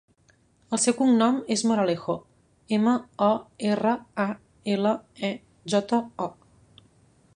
El seu cognom és Moralejo: ema, o, erra, a, ela, e, jota, o.